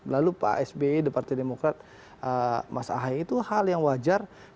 lalu pak s b dari partai demokrat mas ahaer itu hal yang wajar